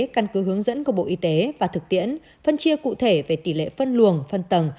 căn cứ hướng dẫn của bộ y tế và thực tiễn phân chia cụ thể về tỷ lệ phân luồng phân tầng